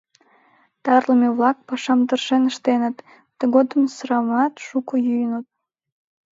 Тарлыме-влак пашам тыршен ыштеныт, тыгодым сырамат шуко йӱыныт.